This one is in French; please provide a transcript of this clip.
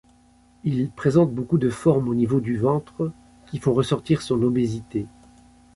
Il présente beaucoup de formes, au niveau du ventre, qui font ressortir son obésité.